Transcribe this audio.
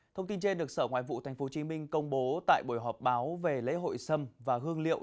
thông tin trên được sở ngoại vụ tp hcm công bố tại buổi họp báo về lễ hội sâm và hương liệu